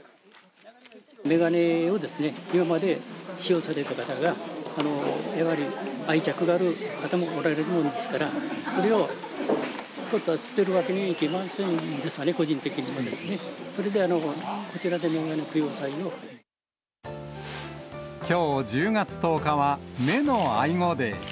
眼鏡を今まで使用された方が眼鏡に愛着がある方もおられるものですから、それをぽっと捨てるわけにもいきませんのでね、個人的にも、それで、きょう１０月１０日は、目の愛護デー。